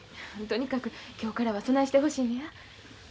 とにかく今日からはそないしてほしいのや。